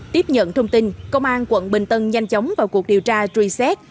tiếp nhận thông tin công an quận bình tân nhanh chóng vào cuộc điều tra truy xét